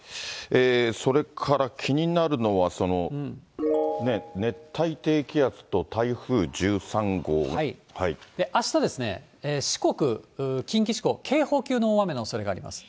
それから気になるのは、あしたですね、四国、近畿地方、警報級の大雨のおそれがあります。